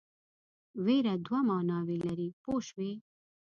وېره دوه معناوې لري پوه شوې!.